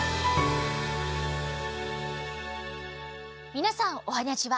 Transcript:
みなさんおはにゃちは。